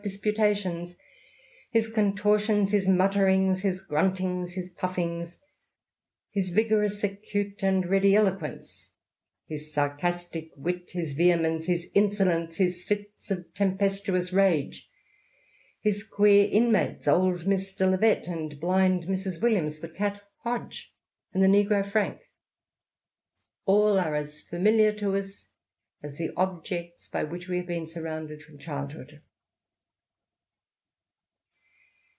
disputations, his contortions, his mutierings, his gruntings, his puffings, his vigorous, acute, and ready eloquence. Jus sarcastic wit, his vehemence, his insolence, his fits of I tempestuous rage, his queer inmates, old Mr. Levett and blind Mrs. Williams, the cat Hodge, and the negro Frank — all are as familiar to us as the objects by which we haveij been surrounded from childhood."